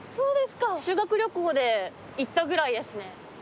修学旅行で行ったぐらいですね。